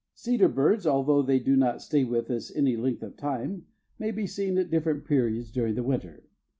Cedar birds, although they do not stay with us any length of time, may be seen at different periods during the winter.